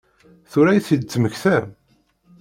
Tura i t-id-temmektam?